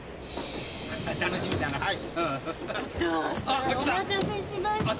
お待たせしました。